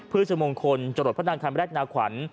พฤษมงคลจรดพระนางคารแมรกนาขวัญ